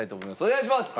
お願いします！